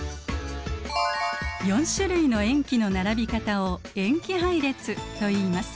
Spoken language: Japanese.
４種類の塩基の並び方を塩基配列といいます。